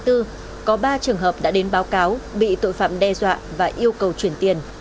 trường hợp đã đến báo cáo bị tội phạm đe dọa và yêu cầu chuyển tiền